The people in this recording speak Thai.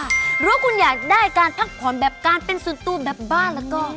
หรือว่าคุณอยากได้การพักผ่อนแบบการเป็นส่วนตัวแบบบ้านแล้วก็